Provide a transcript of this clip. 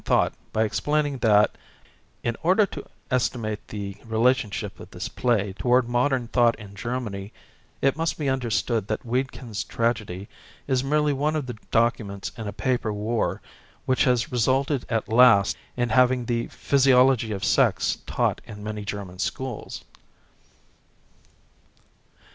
thought by explaining that *' In order to estimate thej relationship of this play toward modern thought ini Germany, it must be understood that Wedekind'sj tragedy is merely one of the documents in a paper war which has resulted at last in having the physi 1 ology of sex taught in many German schools."